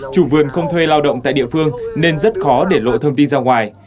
chủ vườn không thuê lao động tại địa phương nên rất khó để lộ thông tin ra ngoài